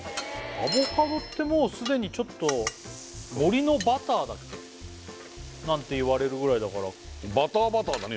アボカドってもう既にちょっと森のバターだっけ？なんていわれるぐらいだからバター・バターだね